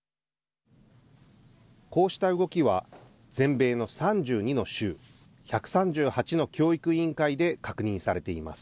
こうした動きは全米の３２の州１３８の教育委員会で確認されています。